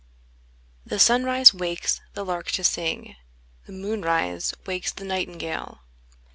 The sunrise wakes the lark to sing, The moonrise wakes the nightingale.